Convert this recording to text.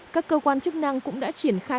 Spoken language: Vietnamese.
các cơ quan chức năng cũng đã triển khai